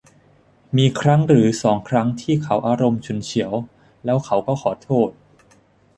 มีครั้งหรือสองครั้งที่เขาอารมณ์ฉุนเฉียว แล้วเขาก็ขอโทษ